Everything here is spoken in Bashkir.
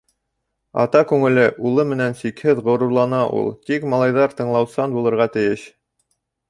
Ата күңеле улы менән сикһеҙ ғорурлана ул, тик малайҙар тыңлаусан булырға тейеш.